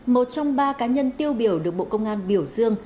một trong ba cá nhân tiêu biểu được bộ công an biểu dương